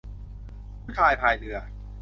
ผู้ชายพายเรือ